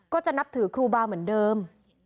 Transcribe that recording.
ก็จะนับถือครูบาเหมือนเดิม